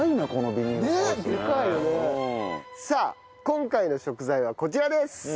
今回の食材はこちらです。